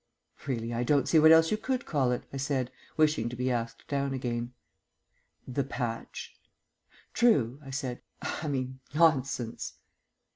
"Really, I don't see what else you could call it," I said, wishing to be asked down again. "The patch." "True," I said. "I mean, Nonsense."